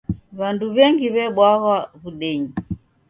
W'andu w'engi w'ebwaghwa w'udenyi.